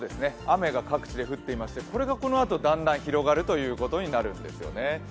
雨が各地降っていましてこれがこのあと、だんだん広がるということになるんですね。